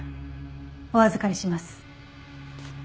お預かりします。